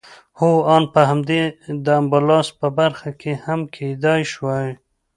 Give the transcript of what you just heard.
هو آن په همدې د امبولانس په برخه کې هم کېدای شوای.